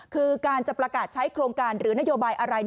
คือการจะประกาศใช้โครงการหรือนโยบายอะไร